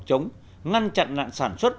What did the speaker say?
chống ngăn chặn nạn sản xuất